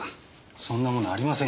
そんなものありませんよ。